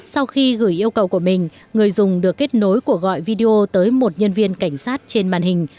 sau khi gửi yêu cầu của mình người dùng được kết nối cuộc gọi video tới một nhân viên cảnh sát trên màn hình